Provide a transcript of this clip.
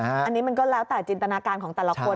อันนี้มันก็แล้วแต่จินตนาการของแต่ละคน